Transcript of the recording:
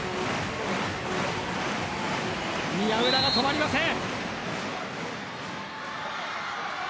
宮浦が止まりません。